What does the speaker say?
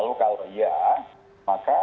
lalu kalau ya maka